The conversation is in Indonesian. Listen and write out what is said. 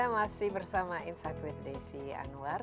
masih bersama insight with desi anwar